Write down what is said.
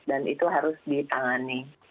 dan itu harus ditangani